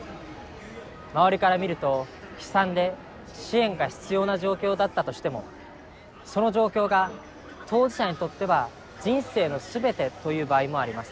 周りから見ると悲惨で支援が必要な状況だったとしてもその状況が当事者にとっては人生の全てという場合もあります。